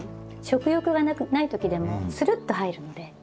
食欲がない時でもするっと入るので。